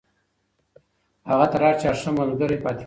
هغه تر هر چا ښه ملگرې پاتې کېږي.